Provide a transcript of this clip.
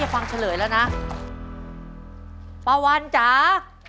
ป้าวัญจ๋า